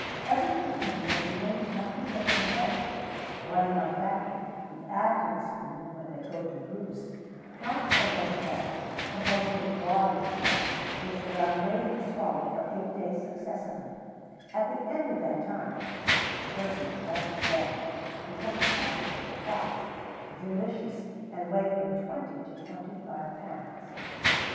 Every evening what remains must be taken away. One month after, you add to this food, when they go to roost, half a dozen balls composed of barley floor, which they are made to swallow for eight days successively; at the end of that time turkeys, thus fed, become excessively fat, delicious, and weigh from twenty to twenty five pounds.